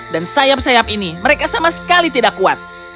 sayap sayap ini mereka sama sekali tidak kuat